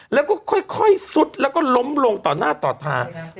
แล้วก็ค่อยซุดแล้วก็ล้มลงต่อหน้าต่อตา